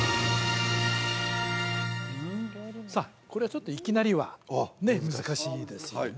さあこれはちょっといきなりはね難しいですよね